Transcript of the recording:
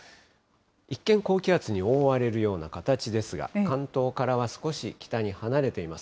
一見、高気圧に覆われるような形ですが、関東からは少し北に離れています。